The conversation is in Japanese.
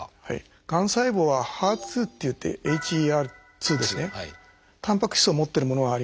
がん細胞は「ＨＥＲ２」っていってＨＥＲ２ですねタンパク質を持ってるものがあります。